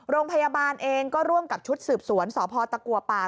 โรงพยาบาลเองก็ร่วมกับชุดสืบสวนสพตะกัวป่า